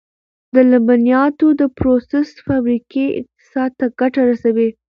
د لبنیاتو د پروسس فابریکې اقتصاد ته ګټه رسوي.